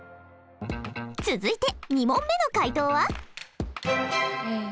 続いて２問目の解答は？